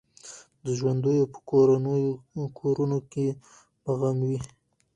د ژوندیو په کورونو کي به غم وي